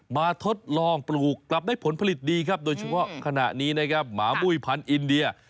มาทดลองปลูกกลับได้ผลผลิตดีครับโดยช่วงขณะนี้หมามุ้ยพันธุ์อินเดีย